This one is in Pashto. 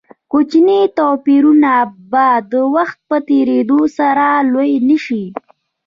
کوچني توپیرونه به د وخت په تېرېدو سره لوی نه شي.